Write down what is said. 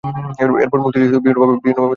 এরপর মুক্তিযুদ্ধে বিভিন্নভাবে ভূমিকা পালন করেন।